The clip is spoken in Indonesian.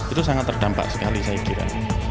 itu sangat terdampak sekali saya kira